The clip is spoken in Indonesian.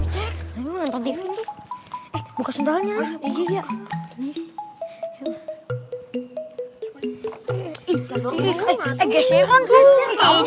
eh buka sendalnya